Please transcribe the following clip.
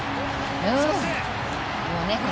うん！